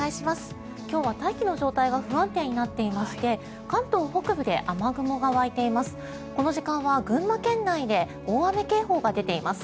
今日は大気の状態が不安定になっていまして関東北部で雨雲が湧いています。